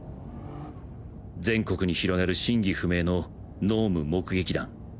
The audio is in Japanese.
全国に広がる真偽不明の脳無目撃談。